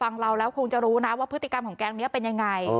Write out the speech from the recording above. เราแล้วคงจะรู้นะว่าพฤติกรรมของแก๊งนี้เป็นยังไง